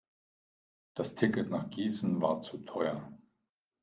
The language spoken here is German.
Das Ticket nach Gießen war zu teuer